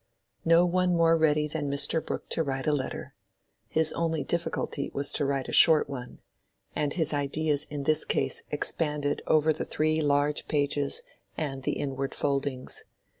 No one more ready than Mr. Brooke to write a letter: his only difficulty was to write a short one, and his ideas in this case expanded over the three large pages and the inward foldings.